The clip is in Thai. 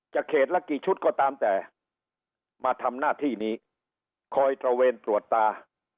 เขตละกี่ชุดก็ตามแต่มาทำหน้าที่นี้คอยตระเวนตรวจตา